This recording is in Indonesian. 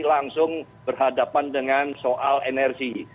langsung berhadapan dengan soal energi